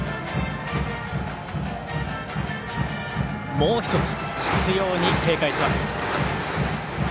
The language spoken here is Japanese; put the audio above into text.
もう１つ執ように警戒します。